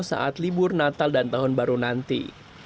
saat libur natal dan tahun baru nanti